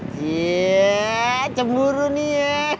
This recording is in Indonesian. tidak ada yang nangis